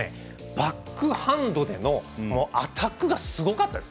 バックハンドでのアタックがすごかったです。